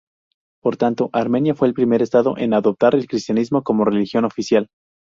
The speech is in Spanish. Por tanto, Armenia fue el primer estado en adoptar el cristianismo como religión oficial.